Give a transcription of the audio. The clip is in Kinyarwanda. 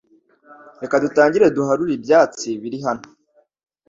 Reka dutangire duharure ibyatsi biri hano